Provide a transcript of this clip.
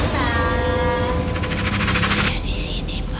saya disini pak